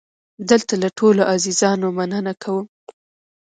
دلته له ټولو عزیزانو مننه کوم.